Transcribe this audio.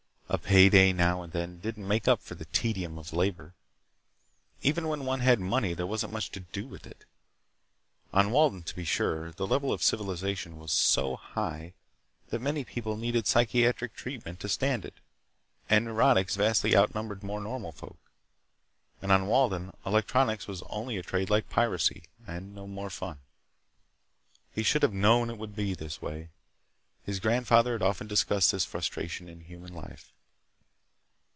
A payday now and then didn't make up for the tedium of labor. Even when one had money there wasn't much to do with it. On Walden, to be sure, the level of civilization was so high that many people needed psychiatric treatment to stand it, and neurotics vastly outnumbered more normal folk. And on Walden electronics was only a trade like piracy, and no more fun. He should have known it would be this way. His grandfather had often discussed this frustration in human life.